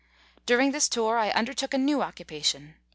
During this tour I undertook a new occupation.